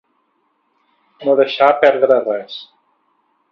No deixar perdre res.